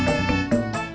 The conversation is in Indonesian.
adviser patrick mau nyambut